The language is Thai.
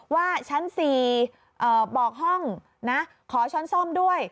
ว่าชั้น๔บอกห้องนะขอชั้นซ่อมด้วย